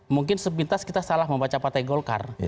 mungkin sepintas kita salah membaca partai golkar